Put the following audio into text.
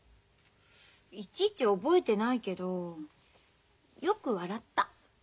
いちいち覚えてないけどよく笑った。